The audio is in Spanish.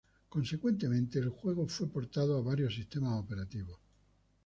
Consecuentemente el juego fue portado a varios sistemas operativos.